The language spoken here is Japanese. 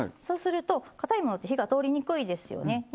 そうするとかたいものって火が通りにくいですよね。